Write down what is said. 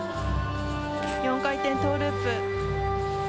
４回転トウループ。